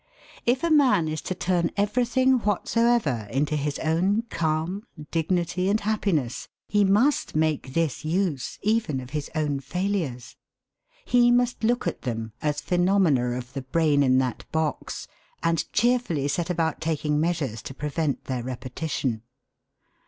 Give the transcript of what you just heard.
If a man is to turn everything whatsoever into his own calm, dignity, and happiness, he must make this use even of his own failures. He must look at them as phenomena of the brain in that box, and cheerfully set about taking measures to prevent their repetition.